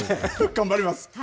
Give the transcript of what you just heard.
頑張ります。